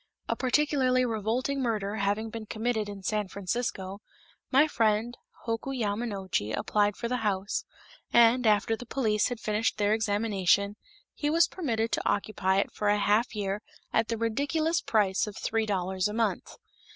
A particularly revolting murder having been committed in San Francisco, my friend Hoku Yamanochi applied for the house, and, after the police had finished their examination, he was permitted to occupy it for a half year at the ridiculous price of three dollars a month.